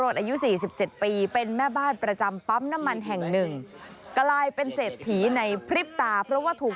ทำไมฮะหนักหรือได้เงินหนักกว่า